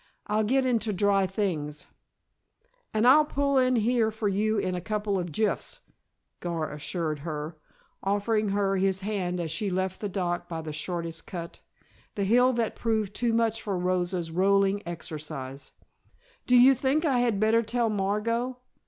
"I'll get into dry things " "And I'll pull in here for you in a couple of jiffs," Gar assured her, offering her his hand as she left the dock by the shortest cut the hill that had proved too much for Rosa's rolling exercise. "Do you think I had better tell Margot?"